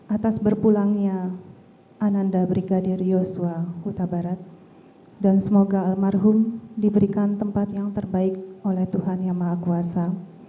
atas berpulangnya ananda brigadir yosua huta barat dan semoga almarhum diberikan tempat yang terbaik oleh tuhan yang maha kuasa